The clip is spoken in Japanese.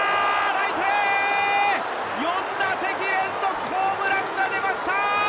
ライトへ４打席連続ホームランが出ました！